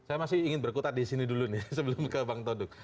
saya masih ingin berkutat di sini dulu nih sebelum ke bang todok